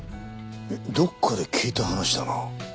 どこかで聞いた話だな。